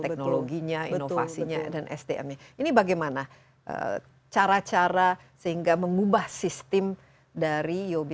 teknologinya inovasinya dan sdm nya ini bagaimana cara cara sehingga mengubah sistem dari uob